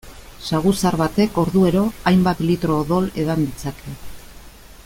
Saguzar batek orduero hainbat litro odol edan ditzake.